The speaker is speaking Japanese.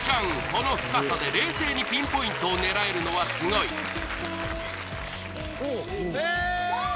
この深さで冷静にピンポイントを狙えるのはすごいイエーイ！